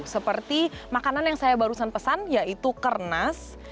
seperti makanan yang saya barusan pesan yaitu kernas